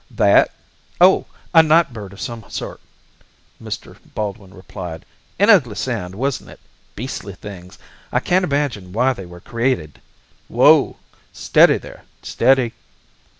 "That oh, a night bird of some sort," Mr. Baldwin replied. "An ugly sound, wasn't it? Beastly things, I can't imagine why they were created. Whoa steady there, steady."